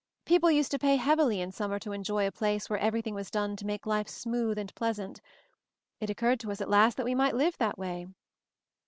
People used to pay heavily in summer to enjoy a place where everything was done to make life smooth and pleasant. It occurred to us at last that we might live that way."